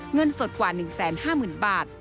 เงินสดกว่า๑๕๐๐๐บาท